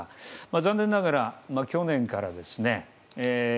残念ながら去年からですね